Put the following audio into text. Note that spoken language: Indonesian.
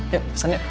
yuk pesen yuk